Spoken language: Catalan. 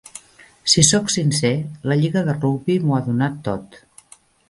Si soc sincer, la lliga de rugbi m'ho ha donat tot.